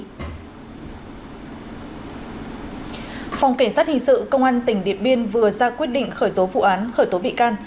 phòng cảnh sát hình sự công an tỉnh điệp biên vừa ra quyết định khởi tố vụ án khởi tố bị can